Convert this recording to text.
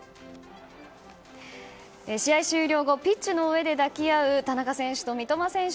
試合終了後ピッチの上で抱き合う三笘選手と田中選手